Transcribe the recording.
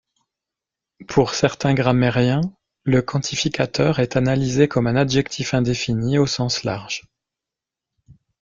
Pour certains grammairiens le quantificateur est analysé comme un adjectif indéfini au sens large.